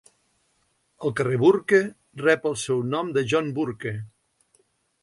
El carrer Bourke rep el seu nom de John Bourke.